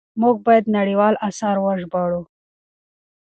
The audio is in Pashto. موږ بايد نړيوال آثار وژباړو.